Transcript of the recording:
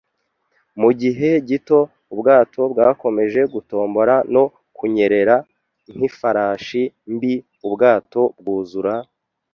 Mu gihe gito ubwato bwakomeje gutombora no kunyerera nk'ifarashi mbi, ubwato bwuzura,